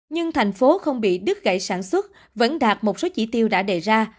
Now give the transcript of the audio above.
nhưng thành phố không bị đứt gãy sản xuất vẫn đạt một số chỉ tiêu đã đề ra